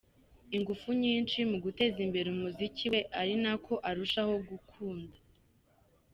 ingufu nyinshi mu guteza imbere umuziki we ari nako arushaho gukundi.